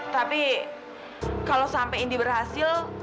tapi kalau sampe indi berhasil